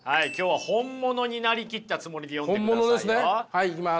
はいいきます。